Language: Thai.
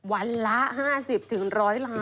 วันละ๕๐๑๐๐ล้าน